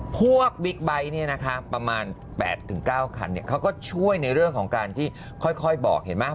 บิ๊กไบท์เนี่ยนะคะประมาณ๘๙คันเขาก็ช่วยในเรื่องของการที่ค่อยบอกเห็นไหม